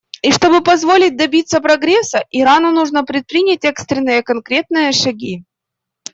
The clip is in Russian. И чтобы позволить добиться прогресса, Ирану нужно предпринять экстренные конкретные шаги.